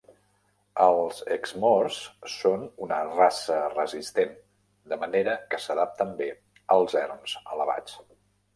Els exmoors són una raça resistent, de manera que s'adapten bé als erms elevats.